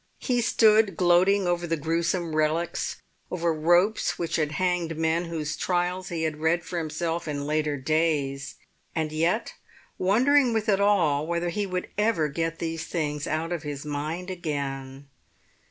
He stood gloating over the gruesome relics, over ropes which had hanged men whose trials he had read for himself in later days, and yet wondering with it all whether he would ever get these things out of his mind again.